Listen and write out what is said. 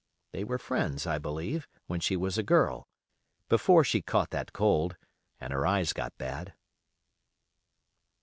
They were friends, I believe, when she was a girl, before she caught that cold, and her eyes got bad.